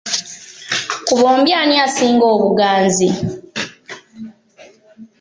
Ku bombi ani asinga obuganzi?